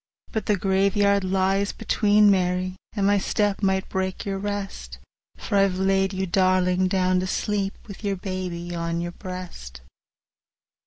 20 But the graveyard lies between, Mary, And my step might break your rest— For I've laid you, darling! down to sleep, With your baby on your breast.